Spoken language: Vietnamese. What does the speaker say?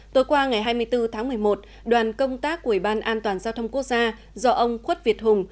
tối qua ngày hai mươi bốn tháng một mươi một đoàn công tác của ủy ban an toàn giao thông quốc gia do ông khuất việt hùng